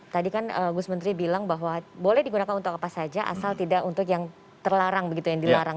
tadi kan gus menteri bilang bahwa boleh digunakan untuk apa saja asal tidak untuk yang terlarang begitu yang dilarang